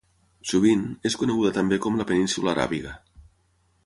Sovint, és coneguda també com la península Aràbiga.